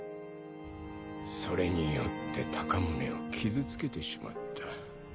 それによって鷹宗を傷つけてしまった